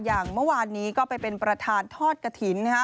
อย่างเมื่อนี้ไปเป็นประธานทอดกฐิน